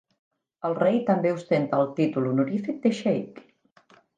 El rei també ostenta el títol honorífic de xeic.